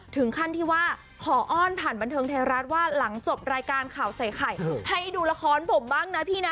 ถึงขั้นที่ว่าขออ้อนผ่านบันเทิงไทยรัฐว่าหลังจบรายการข่าวใส่ไข่ให้ดูละครผมบ้างนะพี่นะ